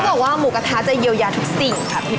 เขาบอกว่าหมูกระทะจะเยียวยาทุกสิ่งครับ